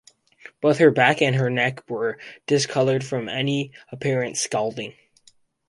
Both her back and her neck were discoloured from an apparent scalding.